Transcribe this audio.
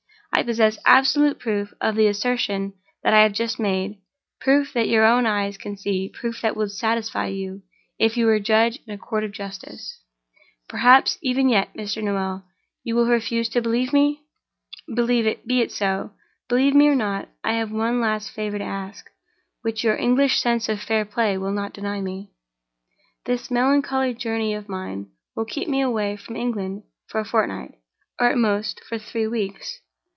I possess absolute proof of the assertion that I have just made—proof that your own eyes can see—proof that would satisfy you, if you were judge in a Court of Justice. "Perhaps even yet, Mr. Noel, you will refuse to believe me? Be it so. Believe me or not, I have one last favor to ask, which your English sense of fair play will not deny me. "This melancholy journey of mine will keep me away from England for a fortnight, or, at most, for three weeks.